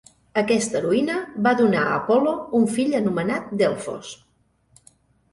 Aquesta heroïna va donar a Apol·lo un fill anomenat Delfos.